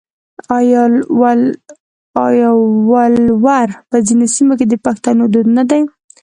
آیا ولور په ځینو سیمو کې د پښتنو دود نه دی؟